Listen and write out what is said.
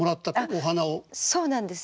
そうなんです。